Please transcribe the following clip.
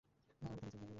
না, আমি তোমাকে ধরেছি।